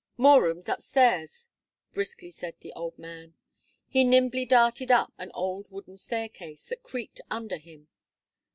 "More rooms up stairs," briskly said the old man; he nimbly darted up an old wooden staircase, that creaked under him.